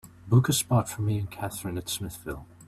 Book a spot for me and kathrine at Smithville